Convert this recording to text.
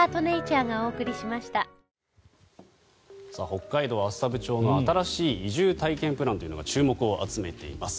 北海道厚沢部町の新しい移住体験プランというのが注目を集めています。